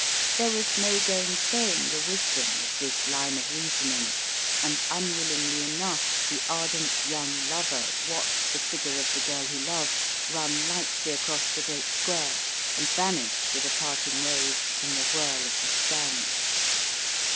There was no gainsaying the wisdom of this line of reasoning, and unwillingly enough the ardent young lover watched the figure of the girl he loved run lightly across the great square and vanish, with a parting wave, in the whirl of the Strand.